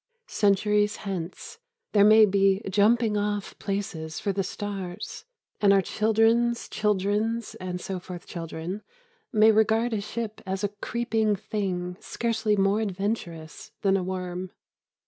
Centuries hence there may be jumping off places for the stars, and our children's children's and so forth children may regard a ship as a creeping thing scarcely more adventurous than a worm.